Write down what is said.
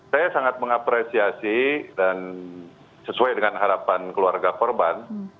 saya sangat mengapresiasi dan sesuai dengan harapan keluarga korban